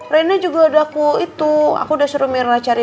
rene juga udah aku itu aku udah suruh mira cari